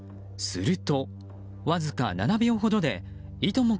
すると、わずか７秒ほどでいとも